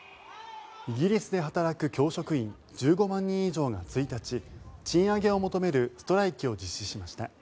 イギリスで働く教職員１５万人以上が１日賃上げを求めるストライキを実施しました。